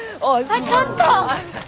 あっちょっと！